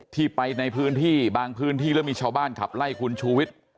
ที่ไปในพื้นที่บางพื้นที่แล้วมีชาวบ้านขับไล่คุณชูวิทย์